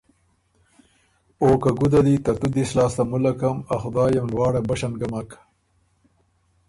او که ”ګُده دی ترتُو دِس لاسته مُلکم، ا خدای ام لواړه بشن ګه مک“